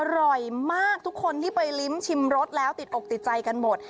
อร่อยมากทุกคนที่ไปลิ้มชิมรสแล้วติดอกติดใจกันหมด